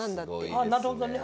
ああなるほどね。